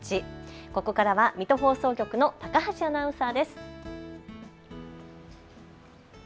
ここからは水戸放送局の高橋アナウンサーです。